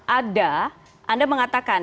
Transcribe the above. ada anda mengatakan